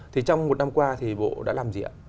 thì trong một năm qua thì bộ đã làm gì ạ